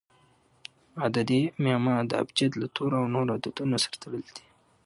عددي معما د ابجد له تورو او نورو عددونو سره تړلي دي.